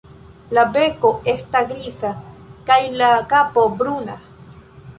La beko esta griza kaj la kapo bruna.